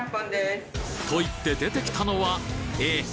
と言って出てきたのはえ？